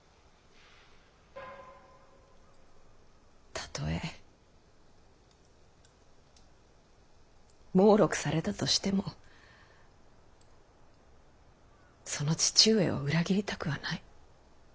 たとえ耄碌されたとしてもその父上を裏切りたくはない。